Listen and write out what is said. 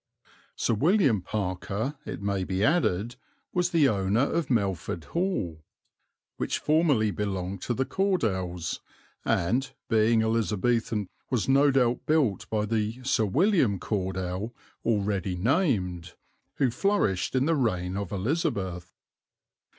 Sir William Parker, it may be added, was the owner of Melford Hall, which formerly belonged to the Cordells and, being Elizabethan, was no doubt built by the Sir William Cordell already named, who flourished in the reign of Elizabeth.